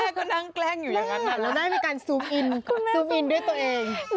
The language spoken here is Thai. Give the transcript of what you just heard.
แล้วแมมก็นั่งแกล้งอยู่อย่างนั้นแล้วน่าจะมีการซูบอินด้วยตัวเอง